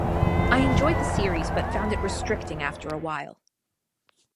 I enjoyed the series but found it restricting after a while.